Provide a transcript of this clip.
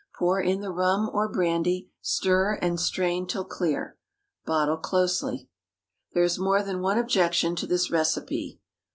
Pour in the rum or brandy, stir, and strain till clear; bottle closely. There is more than one objection to this recipe.